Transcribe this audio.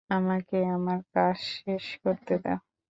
আমাকে আমার কাজ শেষ করতে দাও।